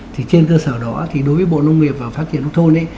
thì trên cơ sở đó thì đối với bộ nông nghiệp và phát triển nông thôn